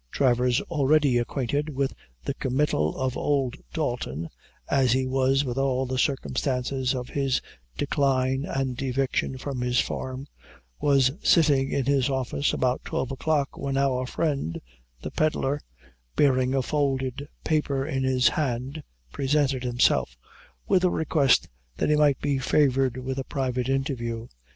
Travers, already acquainted with the committal of old Dalton, as he was with all the circumstances of his decline and eviction from his farm, was sitting in his office, about twelve o'clock, when our friend, the pedlar, bearing a folded paper in his hand, presented himself, with a request that he might be favored with a private interview.